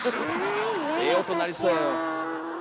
ええ音鳴りそうよ。